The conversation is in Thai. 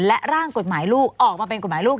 และร่างกฎหมายลูกออกมาเป็นกฎหมายลูก